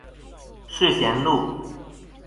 世賢路